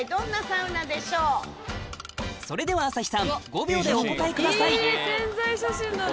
それでは朝日さん５秒でお答えくださいいい宣材写真だな。